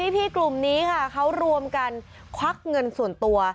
พี่กลุ่มนี้ค่ะเขารวมกันควักเงินส่วนตัว